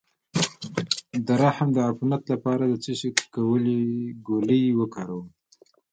د رحم د عفونت لپاره د څه شي ګولۍ وکاروم؟